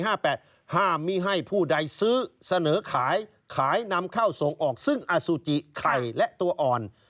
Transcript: ห้ามมีให้ผู้ใดซื้อเสนอขายขายนำเข้าส่งออกซึ่งอสุจิไข่และตัวอ่อน